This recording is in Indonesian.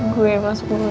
gue masuk rumah ya